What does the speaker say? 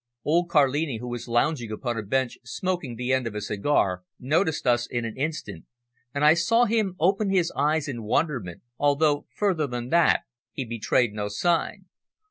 Old Carlini, was was lounging upon a bench smoking the end of a cigar, noticed us in an instant and I saw him open his eyes in wonderment, although further than that he betrayed no sign.